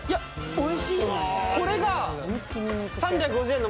おいしい。